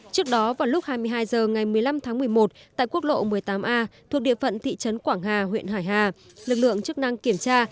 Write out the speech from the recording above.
trước đó vào lúc hai mươi hai h ngày một mươi năm tháng một mươi một tại quốc lộ một mươi tám a thuộc địa phận thị trấn quảng hà huyện hải hà lực lượng chức năng kiểm tra